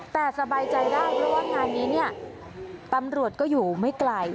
แต่สบายใจได้เพราะว่างานนี้เนี่ยตำรวจก็อยู่ไม่ไกล